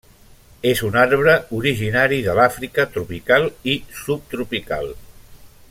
És un arbre originari de l'Àfrica tropical i subtropical.